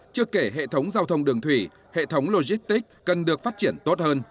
chưa kể hệ thống giao thông đường thủy hệ thống logistic cần được phát triển tốt hơn